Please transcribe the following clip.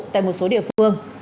tại một số địa phương